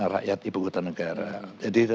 rakyat ibu kota negara jadi